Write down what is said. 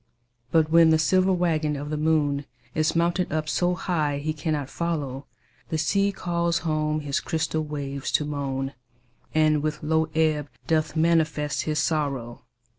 But when the silver waggon of the moon Is mounted up so high he cannot follow, The sea calls home his crystal waves to moan, And with low ebb doth manifest his sorrow.